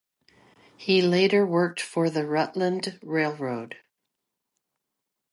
He later worked for the Rutland Railroad.